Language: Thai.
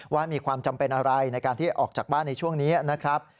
ว่ามีความจำเป็นอะไรในการที่ออกจากบ้านในช่วงนี้นะครับ